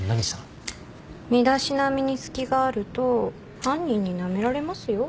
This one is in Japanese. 身だしなみに隙があると犯人になめられますよ。